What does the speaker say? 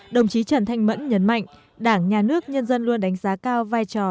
đồng chí trần thanh mẫn nhấn mạnh đảng nhà nước nhân dân luôn đánh giá cao vai trò